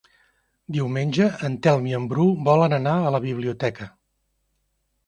Diumenge en Telm i en Bru volen anar a la biblioteca.